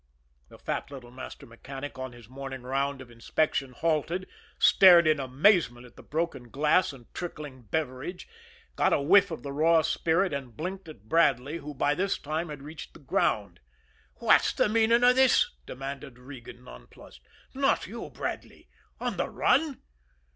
The fat little master mechanic, on his morning round of inspection, halted, stared in amazement at the broken glass and trickling beverage, got a whiff of the raw spirit, and blinked at Bradley, who, by this time, had reached the ground. "What's the meaning of this?" demanded Regan, nonplussed. "Not you, Bradley on the run?"